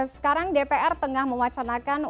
sekarang dpr tengah mewacanakan untuk mengingatkan